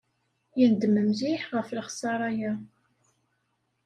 Yendem mliḥ ɣef lexṣara-a.